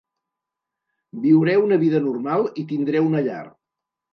Viuré una vida normal i tindré una llar.